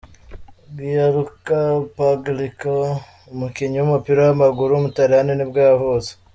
Gianluca Pagliuca, umukinnyi w’umupira w’amaguru w’umutaliyani nibwo yavutse.